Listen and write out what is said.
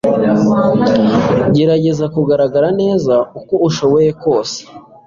Gerageza kugaragara neza uko ushoboye kose